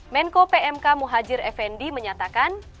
menko pmk muhajir effendi menyatakan